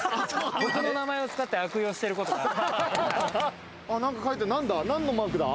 僕の名前を使って悪用してることある。